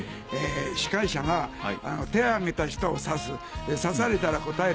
司会者が手挙げた人を指す指されたら答える。